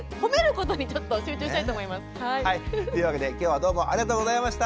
というわけできょうはどうもありがとうございました。